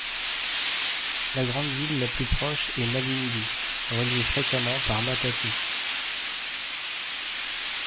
La grande ville la plus proche est Malindi, reliée fréquemment par matatu.